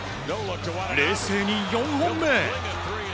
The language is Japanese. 冷静に４本目。